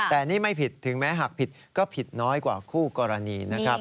แต่นี่ไม่ผิดถึงแม้หากผิดก็ผิดน้อยกว่าคู่กรณีนะครับ